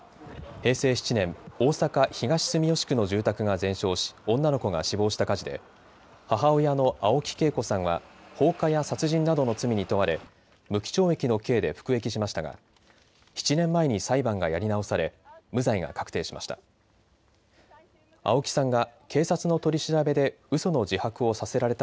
平成７年、大阪東住吉区の住宅が全焼し、女の子が死亡した火事で母親の青木惠子さんは放火や殺人などの罪に問われ無期懲役の刑で服役しましたが７年前に裁判がやり直され無罪が確定しました。